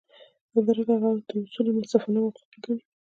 همدارنګه هغه دا اصول منصفانه او اخلاقي ګڼي.